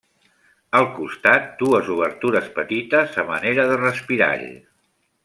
Al costat, dues obertures petites a manera de respirall.